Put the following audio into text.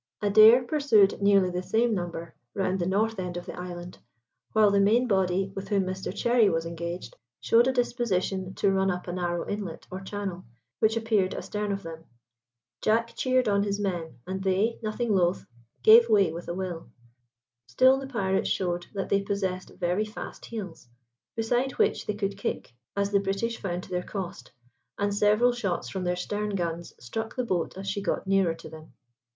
Adair pursued nearly the same number round the north end of the island, while the main body, with whom Mr Cherry was engaged, showed a disposition to run up a narrow inlet or channel, which appeared astern of them. Jack cheered on his men, and they, nothing loth, gave way with a will. Still the pirates showed that they possessed very fast heels, besides which they could kick, as the British found to their cost, and several shots from their stern guns struck the boat as she got nearer to them.